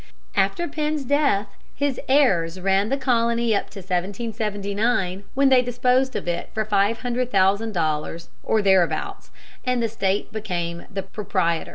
After Penn's death his heirs ran the Colony up to 1779, when they disposed of it for five hundred thousand dollars or thereabouts, and the State became the proprietor.